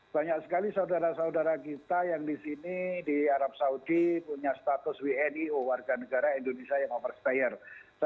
banyak sekali saudara saudara kita yang di sini di arab saudi punya status wnio warga negara indonesia yang overstay rizik sihab